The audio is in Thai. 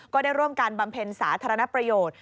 ก็ได้ร่วมการบำเพ็ญสาธารณประโยชน์